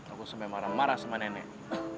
aku sampai marah marah sama nenek